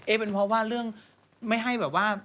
เป็นเพราะว่าเรื่องไม่ให้แบบว่า